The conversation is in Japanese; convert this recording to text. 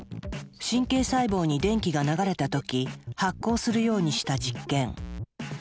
神経細胞に電気が流れた時発光するようにした実験。